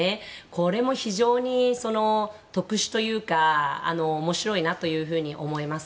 これも非常に特殊というか面白いなと思います。